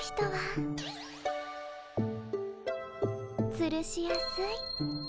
つるしやすい。